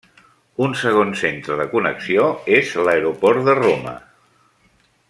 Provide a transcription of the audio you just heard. Un segon centre de connexió és l'Aeroport de Roma.